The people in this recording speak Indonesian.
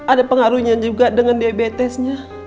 ada pengaruhnya juga dengan diabetesnya